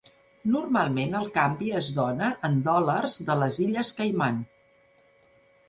Normalment el canvi es dona en dòlars de les Illes Caiman.